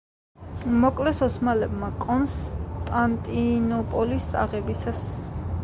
მოკლეს ოსმალებმა კონსტანტინოპოლის აღებისას.